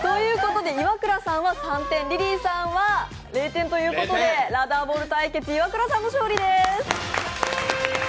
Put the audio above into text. イワクラさんは３点、リリーさんは０点ということで、ラダーボール対決、イワクラさんの勝利です。